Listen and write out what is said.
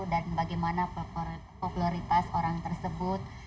dan bagaimana popularitas orang tersebut